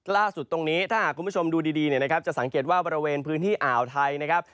ตรงนี้ถ้าหากคุณผู้ชมดูดีเนี่ยนะครับจะสังเกตว่าบริเวณพื้นที่อ่าวไทยนะครับ